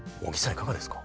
いかがですか？